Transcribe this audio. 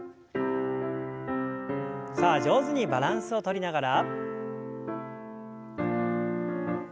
さあ上手にバランスをとりながら。